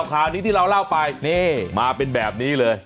ข่าวนี้ที่เราเล่าไปนี่มาเป็นแบบนี้เลย